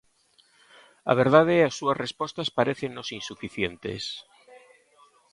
A verdade, as súas respostas parécennos insuficientes.